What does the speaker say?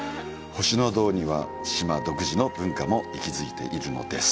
星野洞には島独自の文化も息づいているのです。